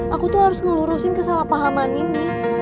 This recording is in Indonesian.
aku tuh harus melurusin kesalahpahaman ini